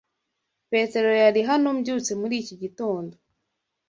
Petero yari hano mbyutse muri iki gitondo.